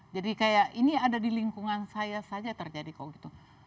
jadi kayak ini ada di lingkungan saya saja terjadi kalau gitu